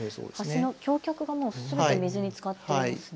橋の橋脚がすべて水につかっていますね。